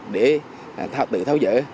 để tự tháo rỡ